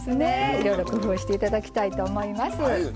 いろいろ工夫していただきたいと思います。